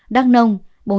đắk nông bốn trăm ba mươi bảy